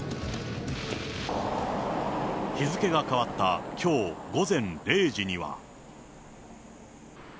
日付が変わったきょう午前０時には。